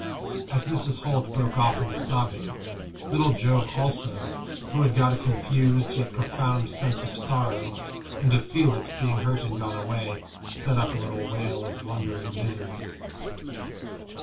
As Mrs. Holt broke off into sobbing, little Job also, who had got a confused yet profound sense of sorrow, and of Felix being hurt and gone away, set up a little wail of wondering misery.